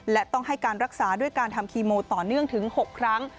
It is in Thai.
และต้องให้การรักษาด้วยการทำคีโมต่อเนื่องถึง๖ครั้ง